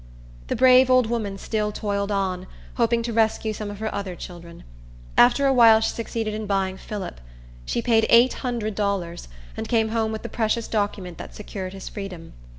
The brave old woman still toiled on, hoping to rescue some of her other children. After a while she succeeded in buying Phillip. She paid eight hundred dollars, and came home with the precious document that secured his freedom.